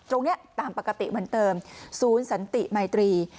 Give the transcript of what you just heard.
ตรงนี้ตามปกติเหมือนเดิมศูนย์สันติมัยตรี